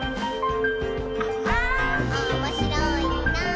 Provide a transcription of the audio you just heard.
「おもしろいなぁ」